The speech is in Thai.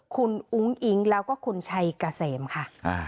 คุณอุ้งอิ๊งแล้วก็คุณชัยเกษมค่ะ